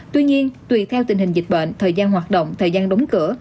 tuy nhiên tùy theo tình hình dịch bệnh thời gian hoạt động thời gian đóng cửa